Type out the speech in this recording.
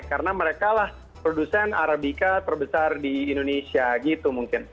karena mereka lah produsen arabica terbesar di indonesia gitu mungkin